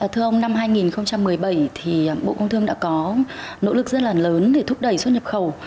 thưa ông năm hai nghìn một mươi bảy thì bộ công thương đã có nỗ lực rất là lớn để thúc đẩy xuất nhập khẩu